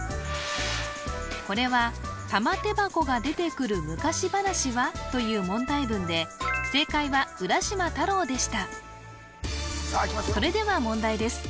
これは「玉手箱」が出てくる昔話は？という問題文で正解は浦島太郎でしたそれでは問題です